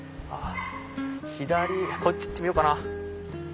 左こっち行ってみようかな。